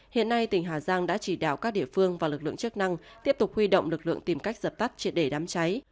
hiện nay tỉnh hà giang đã chỉ đạo các địa phương và lực lượng chức năng tiếp tục huy động lực lượng tìm cách dập tắt triệt để đám cháy